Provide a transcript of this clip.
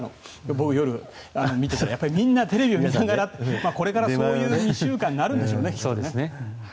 僕、夜見ていてみんなテレビを見ながらこれからそういう２週間になるんでしょうね。